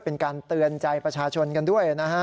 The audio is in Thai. เป็นการเตือนใจประชาชนกันด้วยนะฮะ